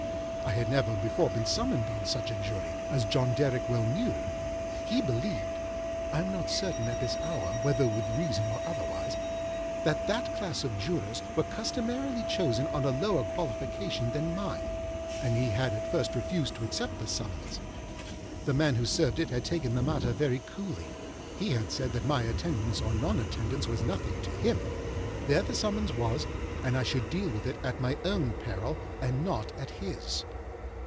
I had never before been summoned on such a Jury, as John Derrick well knew. He believedâI am not certain at this hour whether with reason or otherwiseâthat that class of Jurors were customarily chosen on a lower qualification than mine, and he had at first refused to accept the summons. The man who served it had taken the matter very coolly. He had said that my attendance or non attendance was nothing to him; there the summons was; and I should deal with it at my own peril, and not at his.